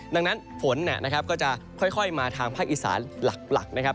ดังนั้นฝนก็จะค่อยมาทางภาคอีสานหลักนะครับ